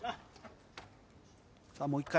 さあもう一回。